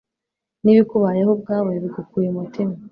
n'ibikubayeho ubwawe, bigukuye umutima